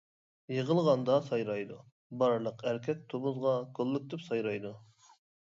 يىغىلغاندا سايرايدۇ، بارلىق ئەركەك تومۇزغا كوللېكتىپ سايرايدۇ.